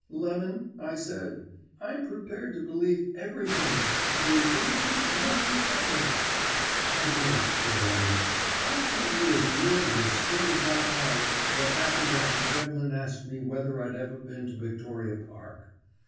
"'Lemon,' I said, 'I'm prepared to believe everything, only don't keep nothing from me.' "'I won't,' said Lemon; 'I'll tell you as near and as straight as I can what happened after Devlin asked me whether I'd ever been to Victoria Park.